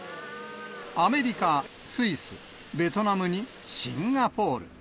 アメリカ、スイス、ベトナムにシンガポール。